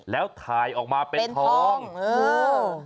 แล้วถ่ายออกมาเป็นทองเออเป็นทอง